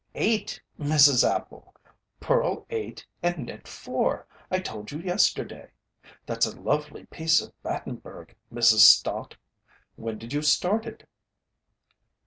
"Eight, Mrs. Appel! Purl eight and knit four I told you yesterday. That's a lovely piece of Battenburg, Mrs. Stott. When did you start it?"